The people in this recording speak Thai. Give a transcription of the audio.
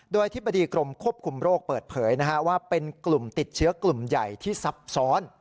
โดยอธิบดีกรมควบคุมโรคเปิดเผยว่าเป็นกลุ่มติดเชื้อกลุ่มใหญ่ที่ซับซ้อน